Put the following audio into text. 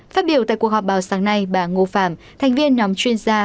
phát biểu tại cuộc họp bào sáng nay bà ngô phạm thành viên nhóm chuyên gia